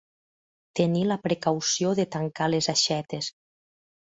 Tenir la precaució de tancar les aixetes.